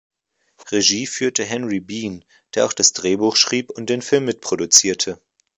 Regie führte Henry Bean, der auch das Drehbuch schrieb und den Film mitproduzierte.